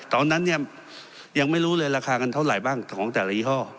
ตอนนั้นเนี่ยยังไม่รู้เลยราคากันเท่าไหร่บ้างของแต่ละยี่ห้อ